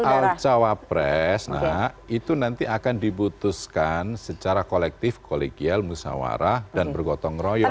kalau soal cawapres itu nanti akan dibutuhkan secara kolektif kolegial musawarah dan bergotong royong